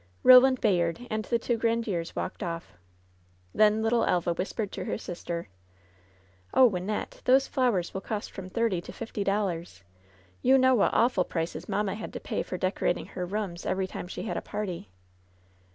Roland Bayard and the two Grandieres walked off. Then little Elva whispered to her sister : "Oh, Wynnette, those flowers will cost from thi^y to fifty dollars. You know what awful prices mamma had to pay for decorating her rooms every time she had a party."